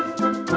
ini kita lihat